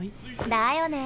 だよね。